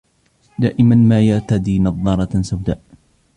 دائماً ما يرتدي نظارة سوداء.